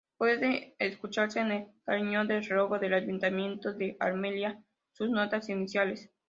Puede escucharse en el carillón del reloj del Ayuntamiento de Almería sus notas iniciales.